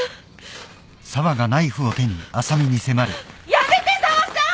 ・やめて沢さん！